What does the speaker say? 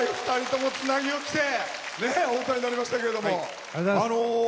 ２人とも、つなぎを着てお歌いになりましたけれども。